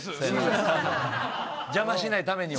邪魔しないためには。